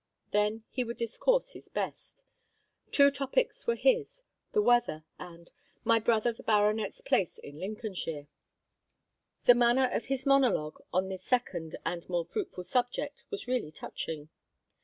Then he would discourse his best. Two topics were his: the weather, and "my brother the baronet's place in Lincolnshire." The manner of his monologue on this second and more fruitful subject was really touching.